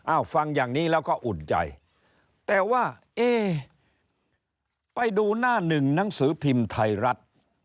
ฟังอย่างนี้แล้วก็อุ่นใจแต่ว่าเอ๊ไปดูหน้าหนึ่งหนังสือพิมพ์ไทยรัฐ